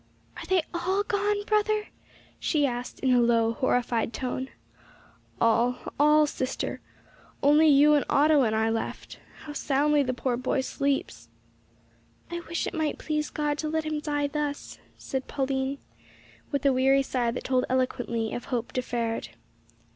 "Are they all gone, brother?" she asked, in a low, horrified tone. "All all, sister. Only you, and Otto, and I left. How soundly the poor boy sleeps!" "I wish it might please God to let him die thus," said Pauline, with a weary sigh that told eloquently of hope deferred.